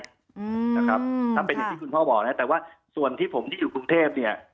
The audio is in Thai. อืมนะครับถ้าเป็นอย่างที่คุณพ่อบอกนะแต่ว่าส่วนที่ผมที่อยู่กรุงเทพเนี่ย